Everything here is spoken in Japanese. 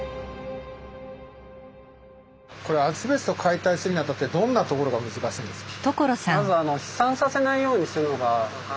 これアスベスト解体するにあたってどんなところが難しいんですか？